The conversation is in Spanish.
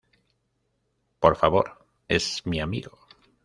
Por favor. Es mi amigo.